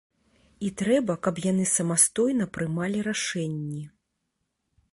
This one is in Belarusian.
І трэба, каб яны самастойна прымалі рашэнні.